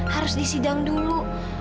harus disidang dulu